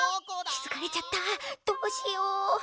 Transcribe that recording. きづかれちゃったどうしよう。